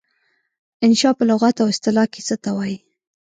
انشأ په لغت او اصطلاح کې څه ته وايي؟